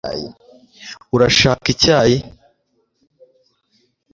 urashaka icyayi